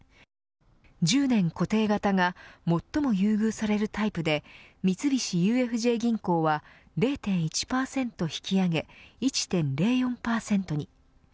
１０年固定型が最も優遇されるタイプで三菱ＵＦＪ銀行は０．１％引き上げ１．０４％に。